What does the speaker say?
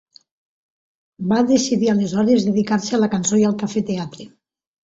Va decidir aleshores dedicar-se a la cançó i al cafè teatre.